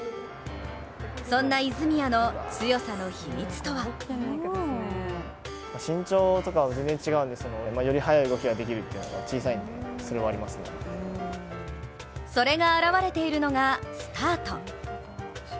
そんな泉谷の強さの秘密とはそれが表れているのがスタート。